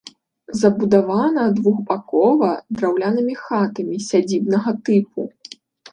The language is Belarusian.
Забудавана двухбакова драўлянымі хатамі сядзібнага тыпу.